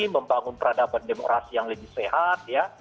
membangun peradaban demokrasi yang lebih sehat ya